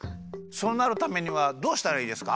そうなるためにはどうしたらいいですか？